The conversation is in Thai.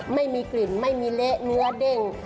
ไม่มีกลิ่นไม่มีเละเนื้อเด้ง